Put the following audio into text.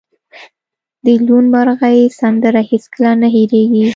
د لوون مرغۍ سندره هیڅکله نه هیریږي